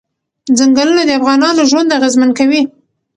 ځنګلونه د افغانانو ژوند اغېزمن کوي.